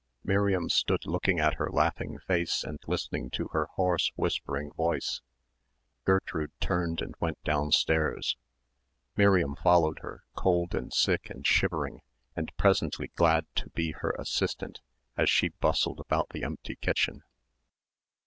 Miriam stood looking at her laughing face and listening to her hoarse, whispering voice. Gertrude turned and went downstairs. Miriam followed her, cold and sick and shivering, and presently glad to be her assistant as she bustled about the empty kitchen.